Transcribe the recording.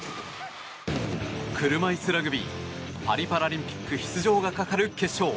車いすラグビーパリパラリンピック出場がかかる決勝。